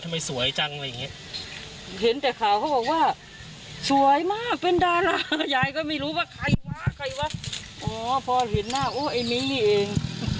ขุมแค้นลิคมึง